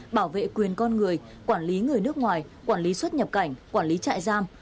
bảo vệ quyền con người quản lý người nước ngoài quản lý xuất nhập cảnh quản lý trại giam